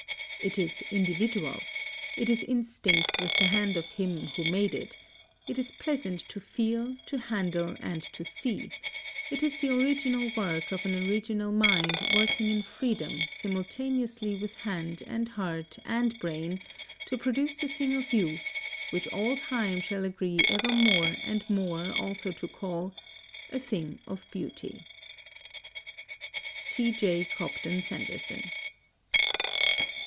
It is individual; it is instinct with the hand of him who made it; it is pleasant to feel, to handle, and to see; it is the original work of an original mind working in freedom simultaneously with hand and heart and brain to produce a thing of use, which all time shall agree ever more and more also to call "a thing of beauty." T. J. COBDEN SANDERSON.